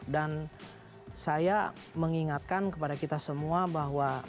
dan saya mengingatkan kepada kita semua bahwa